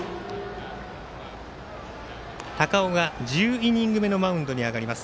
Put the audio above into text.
高尾が１０イニング目のマウンドに上がります。